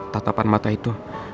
tatapan mata itu